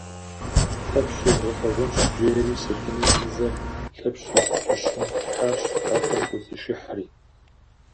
Лъэпщ езгъэлъагъунщ, – жери Сэтэней мывэр Лъэпщ и кӏыщым ихьащ, афэм кӏуэцӏишыхьри.